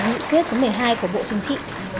nghị quyết số một mươi hai của bộ chính trị